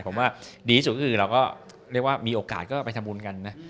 ผมว่าดีที่สุดก็คือเราก็เรียกว่ามีโอกาสก็ไปทำบุญกันนะ